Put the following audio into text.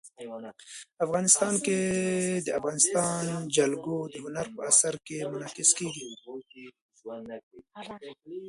افغانستان کې د افغانستان جلکو د هنر په اثار کې منعکس کېږي.